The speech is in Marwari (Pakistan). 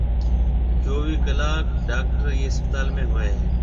چويھ ڪلاڪ ڊاڪٽر ايئيَ اسپتال ۾ ھوئيَ ھيََََ